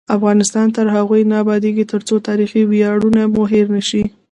افغانستان تر هغو نه ابادیږي، ترڅو تاریخي ویاړونه مو هیر نشي.